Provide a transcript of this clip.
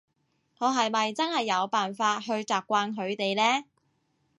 我係咪真係有辦法去習慣佢哋呢？